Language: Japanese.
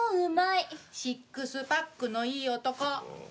シックスパックのいい男。